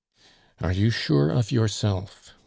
"Are you sure of yourself?"